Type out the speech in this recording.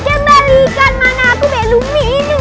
jembali ikan mana aku belu minum